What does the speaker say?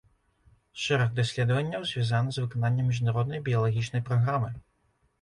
Шэраг даследаванняў звязаны з выкананнем міжнароднай біялагічнай праграмы.